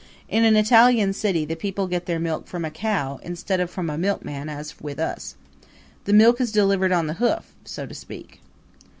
In an Italian city the people get their milk from a cow, instead of from a milkman as with us. The milk is delivered on the hoof, so to speak.